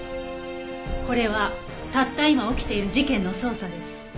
これはたった今起きている事件の捜査です。